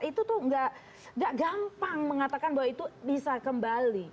itu tuh gak gampang mengatakan bahwa itu bisa kembali